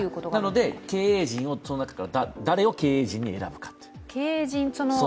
なので、誰を経営陣に選ぶかという。